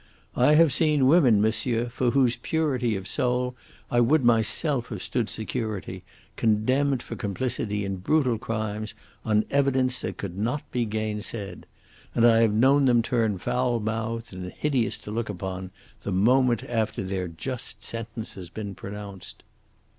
I have seen women, monsieur, for whose purity of soul I would myself have stood security, condemned for complicity in brutal crimes on evidence that could not be gainsaid; and I have known them turn foul mouthed, and hideous to look upon, the moment after their just sentence has been pronounced."